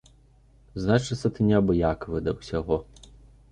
Значыцца, ты неабыякавы да ўсяго.